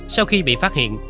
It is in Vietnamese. sau khi bị phát hiện